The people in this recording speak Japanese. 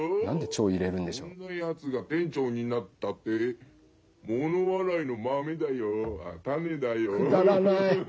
そんなやつが店長になったってものわらいのまめだよ。